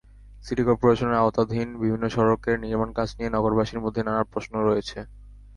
City করপোরেশনের আওতাধীন বিভিন্ন সড়কের নির্মাণকাজ নিয়ে নগরবাসীর মধ্যে নানা প্রশ্ন রয়েছে।